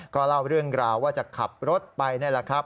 ก็เล่าเรื่องราวว่าจะขับรถไปนี่แหละครับ